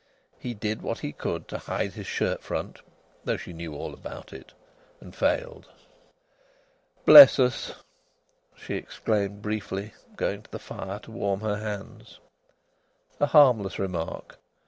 He did what he could to hide his shirt front (though she knew all about it), and failed. "Bless us!" she exclaimed briefly, going to the fire to warm her hands. A harmless remark.